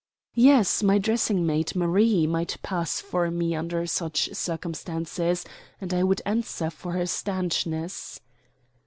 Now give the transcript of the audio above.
"Yes, my dressing maid, Marie, might pass for me under such circumstances, and I would answer for her stanchness."